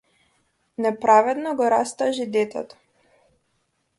Неправедно го растажи детето.